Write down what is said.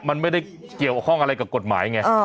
มันไม่ได้เกี่ยวข้องอะไรกับกฎหมายไง